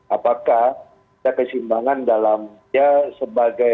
apakah ada kesimbangan dalam ya sebagai